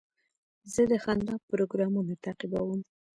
زه د خندا پروګرامونه تعقیبوم.